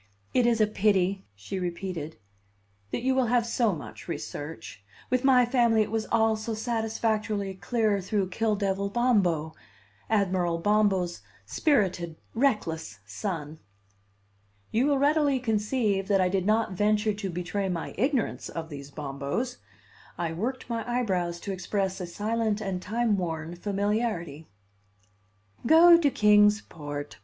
It is a pity," she repeated, "that you will have so much research. With my family it was all so satisfactorily clear through Kill devil Bombo Admiral Bombo's spirited, reckless son." You will readily conceive that I did not venture to betray my ignorance of these Bombos; I worked my eyebrows to express a silent and timeworn familiarity. "Go to Kings Port.